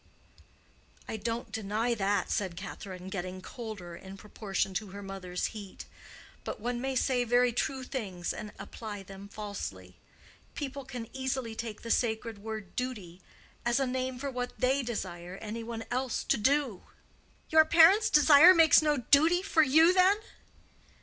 "I don't deny that," said Catherine, getting colder in proportion to her mother's heat. "But one may say very true things and apply them falsely. People can easily take the sacred word duty as a name for what they desire any one else to do." "Your parent's desire makes no duty for you, then?"